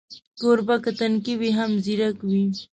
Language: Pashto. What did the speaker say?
کوربه که تنکی وي، هم ځیرک وي.